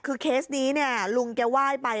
คือเคสนี้เนี่ยลุงแกไหว้ไป